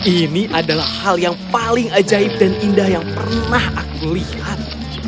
ini adalah hal yang paling ajaib dan indah yang pernah aku lihat